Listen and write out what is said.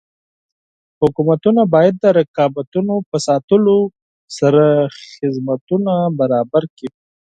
حکومتونه باید د رقابتونو په ساتلو سره خدمتونه برابر کړي.